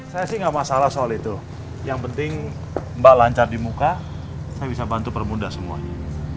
saya sih nggak masalah soal itu yang penting mbak lancar di muka saya bisa bantu permudah semuanya